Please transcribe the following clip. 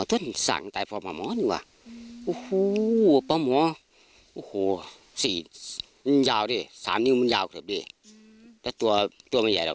แต่ตัวตัวมันใหญ่หรอกแต่มันยาวอืมเห็นปลาคาปากเขาอยู่เลยเออ